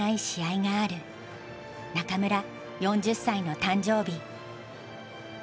中村４０歳の誕生日。